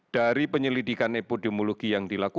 dari penyelidikan epidemiologi yang dilakukan